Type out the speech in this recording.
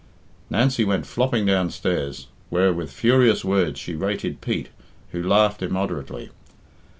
Nancy went flopping downstairs, where with furious words she rated Pete, who laughed immoderately.